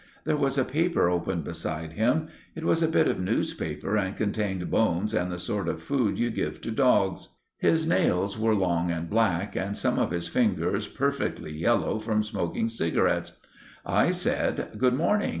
There was a paper opened beside him. It was a bit of newspaper and contained bones and the sort of food you give to dogs. His nails were long and black, and some of his fingers perfectly yellow from smoking cigarettes. I said— "Good morning!